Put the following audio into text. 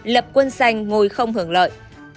lập quân xanh ngồi không hưởng lợi